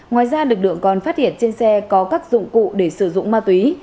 ngoài ra lực lượng còn phát hiện trên xe có các dụng cụ để sử dụng ma túy